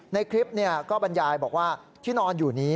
ในคลิปก็บรรยายบอกว่าที่นอนอยู่นี้